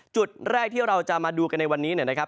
จุดแรกที่เราจะมาดูกันในวันนี้นะครับ